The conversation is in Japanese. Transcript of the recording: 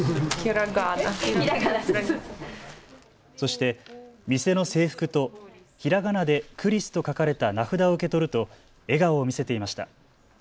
そして、店の制服とひらがなでくりすと書かれた名札を受け取ると笑顔を見せていました。